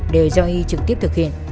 đều do y trực tiếp thực hiện